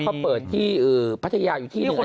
แล้วก็เปิดที่พัทยาอยู่ที่นึง